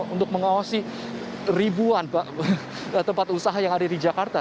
untuk mengawasi ribuan tempat usaha yang ada di jakarta